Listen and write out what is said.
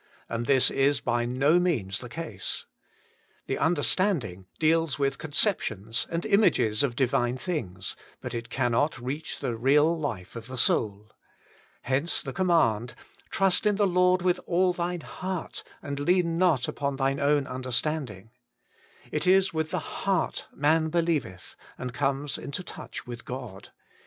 And this is by no means the case. The understand WAITING ON GODt Jl ing deals with conceptions and images of divine things, but it cannot reach the real life of the soul. Hence the command, * Trust in the Lord with all thine heart, and lean not upon thine own understanding.' It is with the heart man believeth, and comes into touch with God.